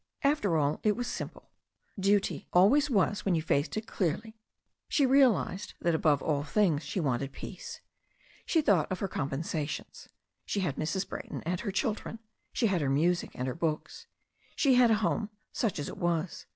After all, it was simple. Duty always was when you faced it clearly. She realized that above all things she wanted peace. She thought of her compensations. She had Mrs. Brayton and her children; she had her music and her books. She had a home, such as it was.